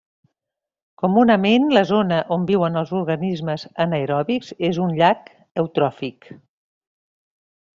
Comunament la zona on viuen els organismes anaerobis és un llac eutròfic.